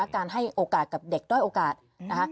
การให้โอกาสกับเด็กด้อยโอกาสนะคะ